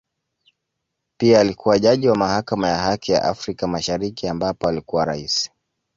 Pia alikua jaji wa Mahakama ya Haki ya Afrika Mashariki ambapo alikuwa Rais.